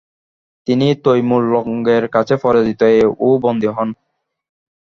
তিনি তৈমুর লঙের কাছে পরাজিত ও বন্দী হন।